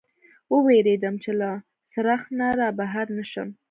و وېرېدم، چې له څرخک نه را بهر نه شم.